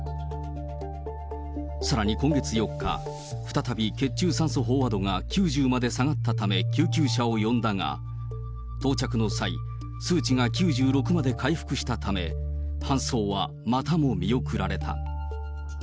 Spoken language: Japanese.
さらに今月４日、再び血中酸素飽和度が９０まで下がったため、救急車を呼んだが、到着の際、数値が９６まで回復したため、搬送はまたも見送られた。